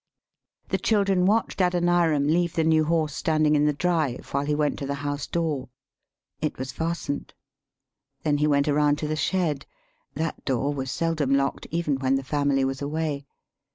] The children watched Adoniram leave the new horse standing in the drive while he went to the house door. It was fastened. Then he went around to the shed. That door was sel dom locked, even when the family was away.